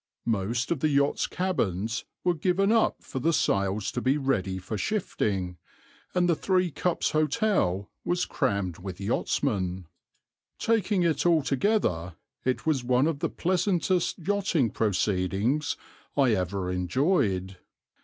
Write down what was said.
Most of the yachts' cabins were given up for the sails to be ready for shifting, and the Three Cups Hotel was crammed with yachtsmen. Taking it all together, it was one of the pleasantest yachting proceedings I ever enjoyed.